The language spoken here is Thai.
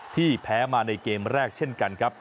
ที่แพ้มาในเกมแรกเช่นกันครับ